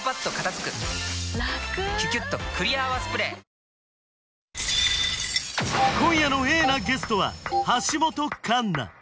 「ビオレ」今夜のＡなゲストは橋本環奈